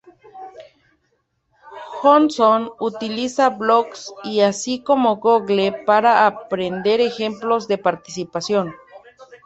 Johnson utiliza blogs y así como Google para aprender ejemplos de participación.